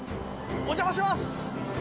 お邪魔します！